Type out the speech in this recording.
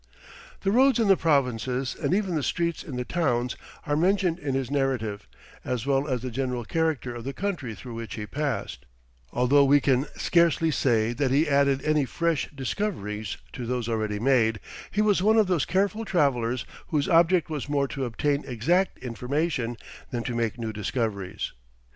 The roads in the provinces and even the streets in the towns, are mentioned in his narrative, as well as the general character of the country through which he passed; although we can scarcely say that he added any fresh discoveries to those already made, he was one of those careful travellers whose object was more to obtain exact information, than to make new discoveries.